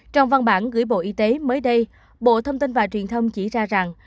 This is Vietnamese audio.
trong văn bản gửi bộ y tế mới đây bộ thông tin và truyền thông chỉ ra rằng